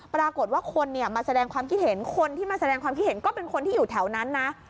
ปรากฏว่าคนเนี่ยมาแสดงความคิดเห็นคนที่มาแสดงความคิดเห็นก็เป็นคนที่อยู่แถวนั้นนะ